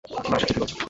না, সে ঠিকই বলছে।